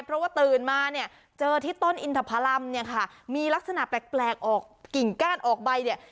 เพราะว่าตื่นมาเจอที่ต้นอินทธพรรมมีลักษณะแปลกออกกิ่งกล้านออกไป